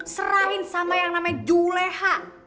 serahin sama yang namanya juleha